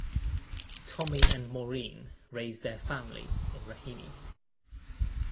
Tommy and Maureen raised their family in Raheny.